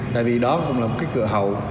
tại vì đó cũng là một cái cửa hậu